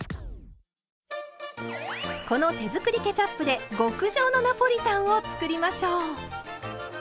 この手作りケチャップで極上のナポリタンを作りましょう。